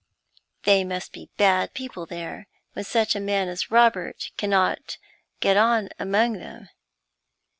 They must be bad people there when such a man as Robert cannot get on among them.